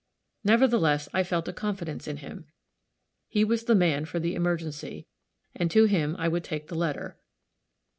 Nevertheless, I felt a confidence in him; he was the man for the emergency, and to him I would take the letter.